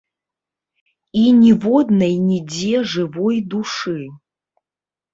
І ніводнай нідзе жывой душы.